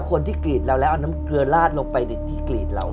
กรีดเราแล้วเอาน้ำเกลือลาดลงไปในที่กรีดเรา